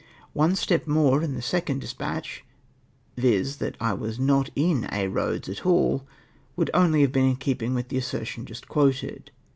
One step more in the second despatch, viz. that I was not in Aix Eoads at all ! wonld only have been in keeping with the assertion just quoted.